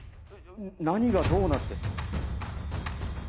何がどうなって。